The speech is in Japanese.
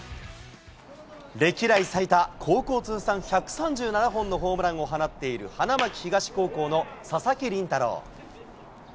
歴代最多、高校通算１３７本のホームランを放っている花巻東高校の佐々木麟太郎。